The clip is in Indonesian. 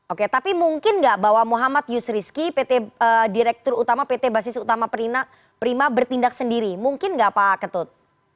oke tapi mungkin nggak bahwa muhammad yusriski pt direktur utama pt basis utama prima bertindak sendiri mungkin nggak pak ketut